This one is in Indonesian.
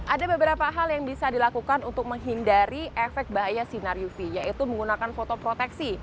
ada beberapa hal yang bisa dilakukan untuk menghindari efek bahaya sinar uv yaitu menggunakan foto proteksi